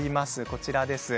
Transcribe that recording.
こちらです。